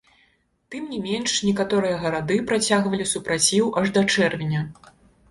Тым не менш, некаторыя гарады працягвалі супраціў аж да чэрвеня.